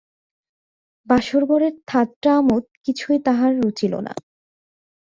বাসরঘরের ঠাট্টা আমোদ কিছুই তাঁহার কাছে রুচিল না।